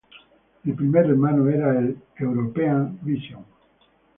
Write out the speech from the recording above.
El primer hermano era el "European Vision".